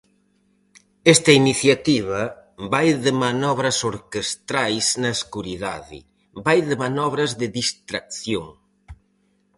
Esta iniciativa vai de manobras orquestrais na escuridade, vai de manobras de distracción.